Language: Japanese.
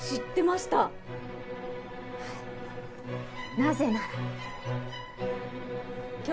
なぜなら。